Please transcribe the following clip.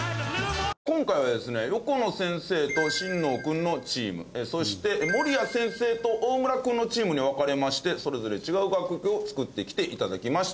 今回はですね横野先生と神農君のチームそして森谷先生と大村君のチームに分かれましてそれぞれ違う楽曲を作ってきて頂きました。